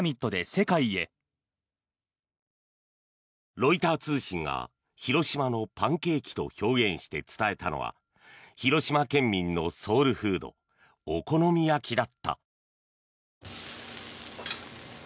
ロイター通信が広島のパンケーキと表現して伝えたのは広島県民のソウルフードお好み焼きだった。